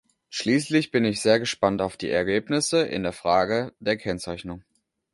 Schließlich bin ich sehr gespannt auf die Ergebnisse in der Frage der Kennzeichnung.